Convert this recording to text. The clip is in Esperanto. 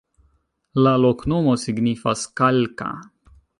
La loknomo signifas: kalka.